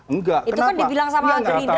enggak kenapa itu kan dibilang sama andre indra